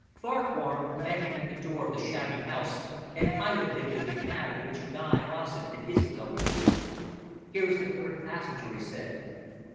Farquhar met him at the door of the shabby house and piloted him to the cab in which Guy Rossett and Isobel were seated. "Here is the third passenger," he said.